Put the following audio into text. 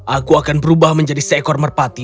aku akan berubah menjadi seekor merpati